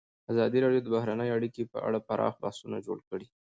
ازادي راډیو د بهرنۍ اړیکې په اړه پراخ بحثونه جوړ کړي.